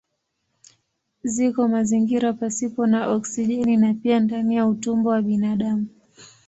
Ziko mazingira pasipo na oksijeni na pia ndani ya utumbo wa binadamu.